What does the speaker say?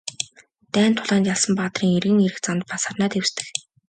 Дайн тулаанд ялсан баатрын эргэн ирэх замд бас сарнай дэвсдэг.